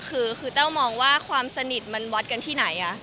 คือแต้วมองว่าความสนิทมันวัดกันที่ไหน